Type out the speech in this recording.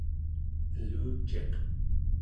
eluciq